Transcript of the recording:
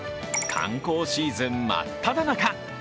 観光シーズン真っただ中。